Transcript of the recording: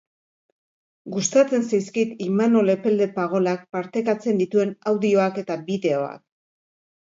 Gustatzen zaizkit Imanol Epelde Pagolak partekatzen dituen audioak eta bideoak.